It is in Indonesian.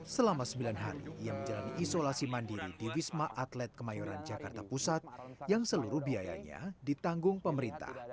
selama sembilan hari ia menjalani isolasi mandiri di wisma atlet kemayoran jakarta pusat yang seluruh biayanya ditanggung pemerintah